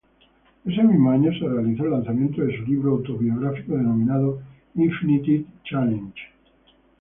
Ese mismo año se realizó el lanzamiento de su libro autobiográfico denominado "Infinite Challenge".